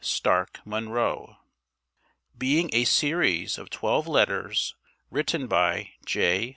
Stark Munro BEING A SERIES OF TWELVE LETTERS WRITTEN BY J.